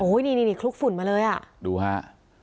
โอ้ยนี่นี่นี่คลุกฝุ่นมาเลยอ่ะดูฮะอ่า